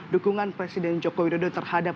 dukungan presiden joko widodo terhadap